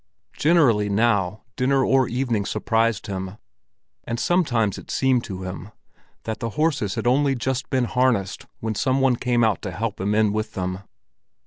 Generally now dinner or evening surprised him, and sometimes it seemed to him that the horses had only just been harnessed when some one came out to help him in with them.